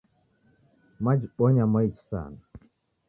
Mwajibonya mwaichi sana.